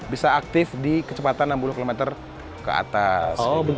bisa aktif di kecepatan enam puluh km ke atas